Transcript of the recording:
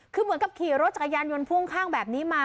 คือเหมือนกับขี่รถจักรยานยนต์พ่วงข้างแบบนี้มา